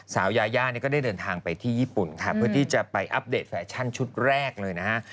สาวยายาเนี่ยก็ได้เดินทางไปที่ญี่ปุ่นค่ะเพื่อที่จะไปอัปเดตแฟชั่นชุดแรกเลยนะฮะ